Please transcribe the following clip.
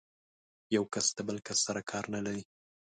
يو کس د بل کس سره کار نه لري.